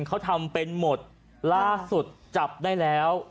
เขาทำเป็นหมดล่าสุดจับได้แล้ว